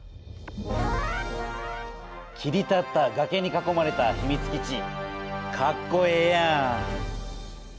切り立ったがけに囲まれたひみつ基地かっこええやん。